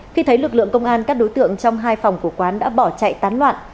khi thấy lực lượng công an các đối tượng trong hai phòng của quán đã bỏ chạy tán loạn